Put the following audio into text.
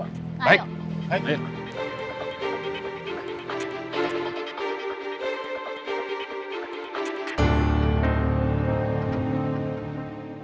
berani beraninya dia menempel di daerah gue